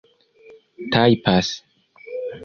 tajpas